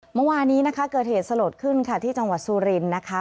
เมื่อวานี้เกิดเหตุสลดขึ้นที่จังหวัดสุรินทร์